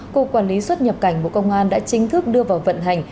cục quản lý xuất nhập cảnh bộ công an đã chính thức đưa vào vận hành